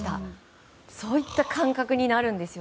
そういった感覚になるんですよ。